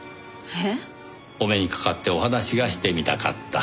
えっ？お目にかかってお話がしてみたかった。